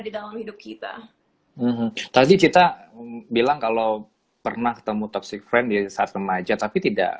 di dalam hidup kita tadi cita bilang kalau pernah ketemu toxic friend di saat remaja tapi tidak